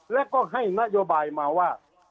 และก็ให้นโยบายมาว่า